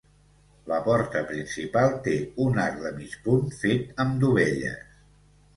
La porta principal té un arc de mig punt fet amb dovelles.